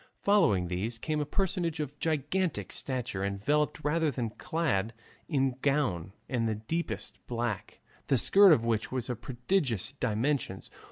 Following these came a personage of gigantic stature enveloped rather than clad in a gown of the deepest black, the skirt of which was of prodigious dimensions.